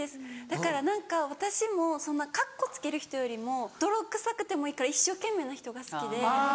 だから何か私もそんなカッコつける人よりも泥くさくてもいいから一生懸命な人が好きで。